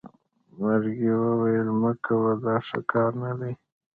مرکې وویل مه کوه دا ښه کار نه دی.